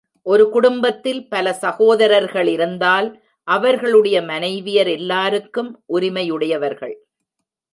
ஒரு குடும்பத்தில் பல சகோதரர்களிருந்தால், அவர்களுடைய மனைவியர், எல்லாருக்கும் உரிமையுடையவர்கள்.